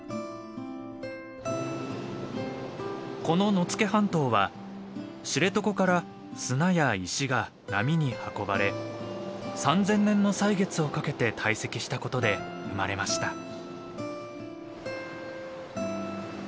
この野付半島は知床から砂や石が波に運ばれ３，０００年の歳月をかけて堆積したことで生まれました。